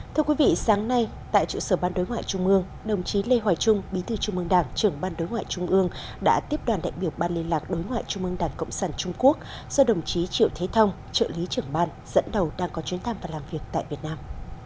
thưa quý vị sáng nay tại trụ sở ban đối ngoại trung mương đồng chí lê hoài trung bí thư trung mương đảng trưởng ban đối ngoại trung ương đã tiếp đoàn đại biểu ban liên lạc đối ngoại trung ương đảng cộng sản trung quốc do đồng chí triệu thế thông trợ lý trưởng ban dẫn đầu đang có chuyến thăm và làm việc tại việt nam